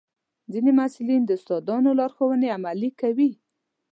ځینې محصلین د استادانو لارښوونې عملي کوي.